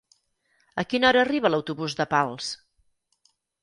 A quina hora arriba l'autobús de Pals?